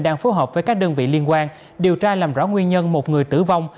đang phối hợp với các đơn vị liên quan điều tra làm rõ nguyên nhân một người tử vong